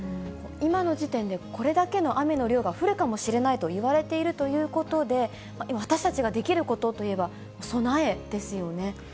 今の時点で、これだけの雨の量が降るかもしれないということがいわれているということで、私たちができることといえば備えですよね。